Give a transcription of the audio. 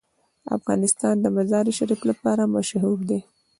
افغانستان د مزارشریف لپاره مشهور دی.